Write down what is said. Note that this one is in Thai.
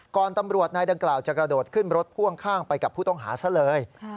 ตำรวจนายดังกล่าวจะกระโดดขึ้นรถพ่วงข้างไปกับผู้ต้องหาซะเลย